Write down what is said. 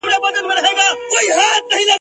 چي د آس پر ځای چا خر وي درولی ..